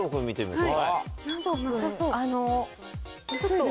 はい。